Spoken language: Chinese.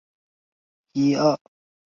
从五位下长岑茂智麻吕的义弟。